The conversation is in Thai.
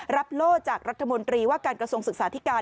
โล่จากรัฐมนตรีว่าการกระทรวงศึกษาธิการ